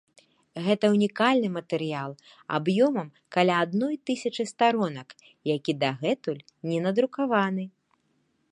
Гэта ўнікальны матэрыял аб'ёмам каля адной тысячы старонак, які дагэтуль не надрукаваны.